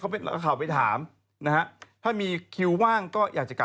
ก็คือเข้าไปด้วยกันนั่นแหละ